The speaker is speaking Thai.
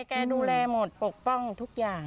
แกดูแลหมดปกป้องทุกอย่าง